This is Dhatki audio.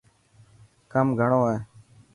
ڪم گھڻو هي.